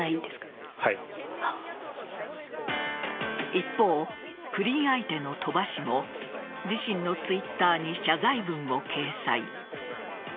一方、不倫相手の鳥羽氏も自身のＴｗｉｔｔｅｒに謝罪文を掲載。